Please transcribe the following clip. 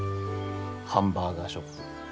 ハンバーガーショップ。